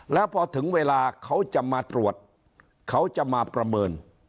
แล้วพอถึงเวลาเขาจะมาตรวจเขาจะมาประเมิน